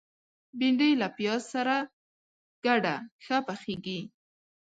بېنډۍ له پیاز سره ګډه ښه پخیږي